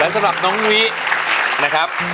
สำหรับน้องวินะครับ